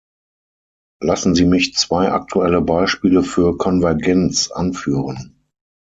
Lassen Sie mich zwei aktuelle Bespiele für Konvergenz anführen.